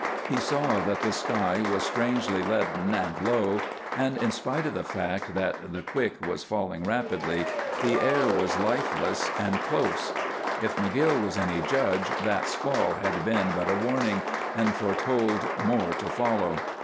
He saw that the sky was strangely leaden and low, and in spite of the fact that the "quick" was falling rapidly, the air was lifeless and close. If McGill was any judge, that squall had been but a warning, and foretold more to follow.